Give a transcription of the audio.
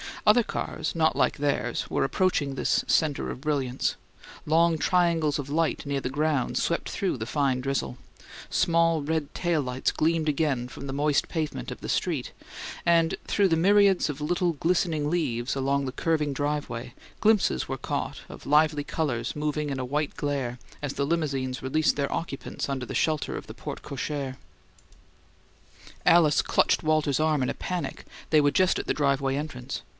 Other cars, not like theirs, were approaching this center of brilliance; long triangles of light near the ground swept through the fine drizzle; small red tail lights gleamed again from the moist pavement of the street; and, through the myriads of little glistening leaves along the curving driveway, glimpses were caught of lively colours moving in a white glare as the limousines released their occupants under the shelter of the porte cochere. Alice clutched Walter's arm in a panic; they were just at the driveway entrance.